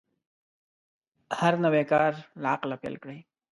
هر نوی کار له عقله پیل کړئ.